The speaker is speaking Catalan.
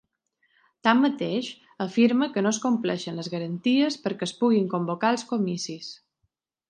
Tanmateix, afirma que no es compleixen les garanties perquè es puguin convocar els comicis.